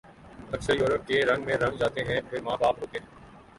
اکثر یورپ کے رنگ میں رنگ جاتے ہیں پھر ماں باپ روتے ہیں